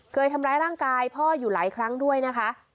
เคยทำร้ายร่างกายพ่ออยู่หลายครั้งด้วยนะคะ